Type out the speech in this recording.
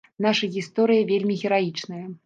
Наша гісторыя вельмі гераічная.